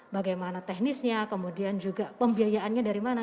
bagaimana teknisnya kemudian juga pembiayaannya dari mana